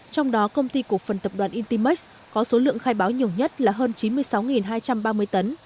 trong đó công ty cổ phần tập đoàn intimax có số lượng khai báo nhiều nhất là hơn chín mươi sáu hai trăm ba mươi tấn